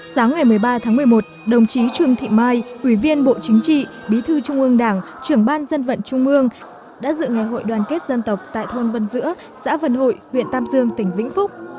sáng ngày một mươi ba tháng một mươi một đồng chí trương thị mai ủy viên bộ chính trị bí thư trung ương đảng trưởng ban dân vận trung ương đã dự ngày hội đoàn kết dân tộc tại thôn vân dữa xã vân hội huyện tam dương tỉnh vĩnh phúc